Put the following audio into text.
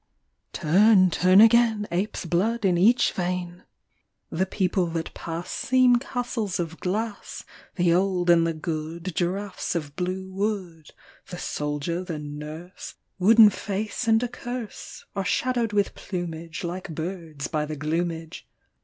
TURN, turn again, Ape's blood in each vein ! The people that pass Seem castles of glass, The old and the good Giraffes of blue wood, The soldier, the nurse, Wooden face and a curse, Are shadowed with plumage Like birds, by the gloomage.